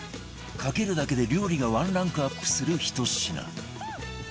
かけるだけで料理がワンランクアップするひと品